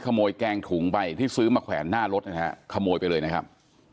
แกงถุงไปที่ซื้อมาแขวนหน้ารถนะฮะขโมยไปเลยนะครับ